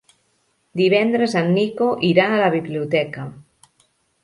Divendres en Nico irà a la biblioteca.